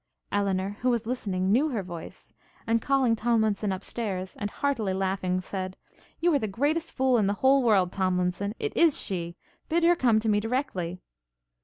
Elinor, who was listening, knew her voice, and, calling Tomlinson up stairs, and heartily laughing, said, 'You are the greatest fool in the whole world, Tomlinson! It is she! Bid her come to me directly.'